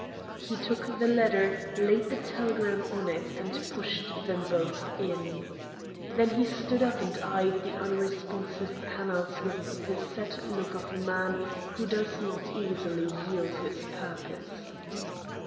He took the letter, laid the telegram on it, and pushed them both in. Then he stood up and eyed the unresponsive panels with the set look of a man who does not easily yield his purpose.